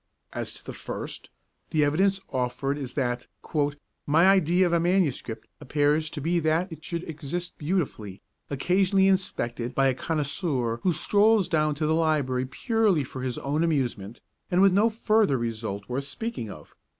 As to the first, the evidence offered is that 'my idea of a MS. appears to be that it should exist beautifully, occasionally inspected by a connoisseur who strolls down to the library purely for his own amusement and with no further result worth speaking of.